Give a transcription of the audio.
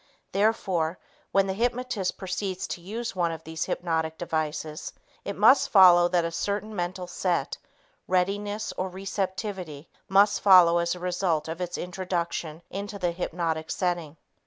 Therefore, when the hypnotist proceeds to use one of these hypnotic devices, it must follow that a certain mental set, readiness, or receptivity must follow as a result of its introduction into the hypnotic setting.